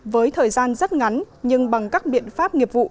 với thời gian rất ngắn nhưng bằng các biện pháp nghiệp vụ